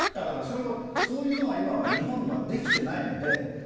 だからそれはそういうのが今は日本はできてないので。